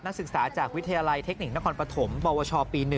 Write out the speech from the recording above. นักศึกษาจากวิทยาลัยเทคนิคนครปฐมปวชปี๑